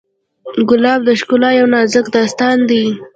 ګلاب د ښکلا یو نازک داستان دی.